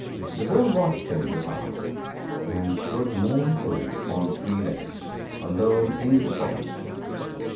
The Bull watched him depart, and stood mournfully on three legs, alone in the forest.